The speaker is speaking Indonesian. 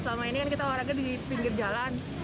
soalnya selama ini kita olahraga di pinggir jalan